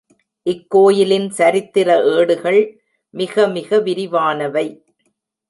இக்கோயிலின் சரித்திர ஏடுகள் மிக மிக விரிவானவை.